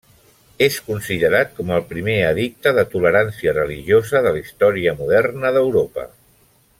És considerat com el primer edicte de tolerància religiosa de la història moderna d'Europa.